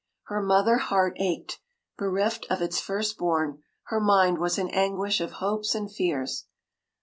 Her mother heart ached, bereft of its first born. Her mind was in an anguish of hopes and fears.